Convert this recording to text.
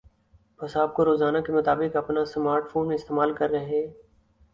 پس آپ کو روزانہ کے مطابق اپنا سمارٹ فون استعمال کر ہے